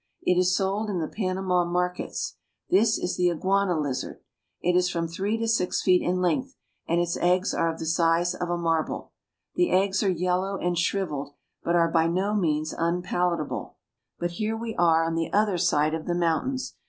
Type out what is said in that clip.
It is sold in the Panama markets. This is the iguana lizard. It is from three to six feet in length, and its eggs are of the size of a marble. The eggs are yellow and shriveled, but are by no means unpalatable. 28 ISTHMUS OF PANAMA. But here we are on the other side of the mountains.